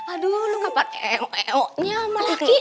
aduh lu kenapa eok eoknya sama laki